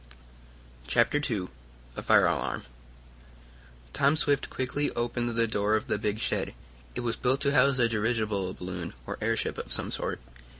CHAPTER II A FIRE ALARM Tom Swift quickly opened the door of the big shed. It was built to house a dirigible balloon, or airship of some sort.